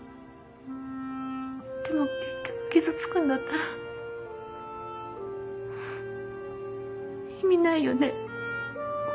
でも結局傷つくんだったら意味ないよねごまかしたって。